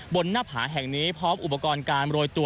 หน้าผาแห่งนี้พร้อมอุปกรณ์การโรยตัว